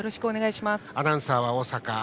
アナウンサーは大坂。